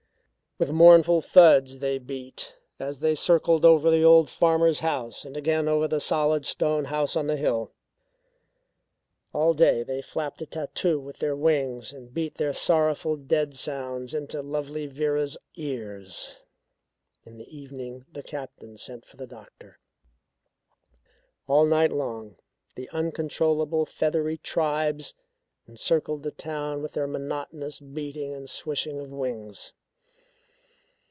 With mournful thuds they beat, as they circled over the old farmer's house and again over the solid stone house on the hill. All day they flapped a tattoo with their wings and beat their sorrowful dead sounds into lovely Vera's ears. In the evening the Captain sent for the doctor. All night long the uncontrollable feathery tribes encircled the town with their monotonous beating and swishing of wings.